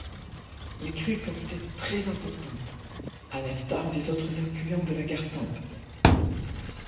Les crues peuvent être très importantes, à l'instar des autres affluents de la Gartempe.